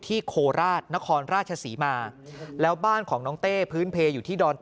โคราชนครราชศรีมาแล้วบ้านของน้องเต้พื้นเพลอยู่ที่ดอน๘